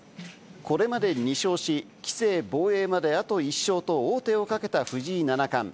これまで２勝し、棋聖防衛まであと１勝と王手をかけた藤井七冠。